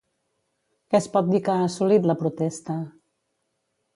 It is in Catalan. Què es pot dir que ha assolit la protesta?